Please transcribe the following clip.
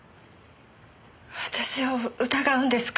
私を疑うんですか？